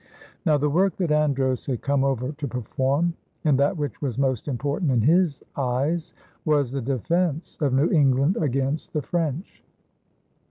Now the work that Andros had come over to perform, and that which was most important in his eyes, was the defense of New England against the French.